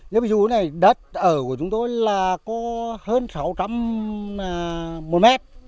nếu ví dụ như thế này đất ở của chúng tôi là có hơn sáu trăm linh m một m